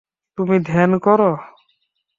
তুমি ধ্যান করো?